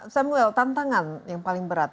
samuel tantangan yang paling berat